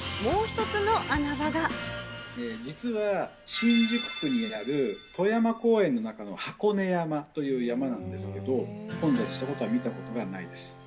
実は、新宿区にある戸山公園の中の箱根山という山なんですけど、混雑しているところは見たことないです。